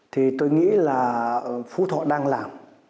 thì tôi nghĩ là phú thọ đang làm